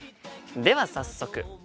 では早速。